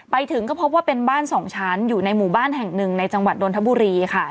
ไปถึงก็พบว่าเป็นบ้านสองชั้นอยู่ในหมู่บ้านแห่งหนึ่งในจังหวัดนทบุรีค่ะ